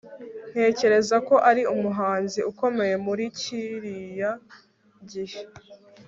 Ntekereza ko ari umuhanzi ukomeye muri kiriya gihe